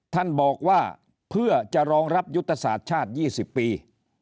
ท่านบอกว่าเพื่อจะรองรับยุทธศาสตร์ชาติ๒๐ปี